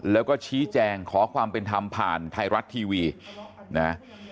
แล้วก็ชี้แจงขอความเป็นธรรมผ่านไทยรัฐทีวีนะ